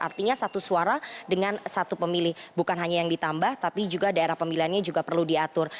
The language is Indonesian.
artinya satu suara dengan satu pemilih bukan hanya yang ditambah tapi juga daerah pemilihannya juga perlu diatur